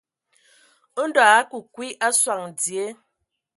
Ndɔ a akə kwi a sɔŋ dzie.